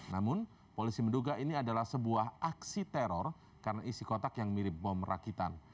namun polisi menduga ini adalah sebuah aksi teror karena isi kotak yang mirip bom rakitan